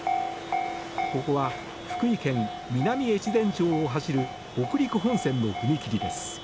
ここは福井県南越前町を走る北陸本線の踏切です。